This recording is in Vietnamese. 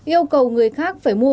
yêu cầu người khác phải mua